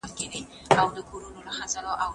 تر هغه وخته صبر وکړئ.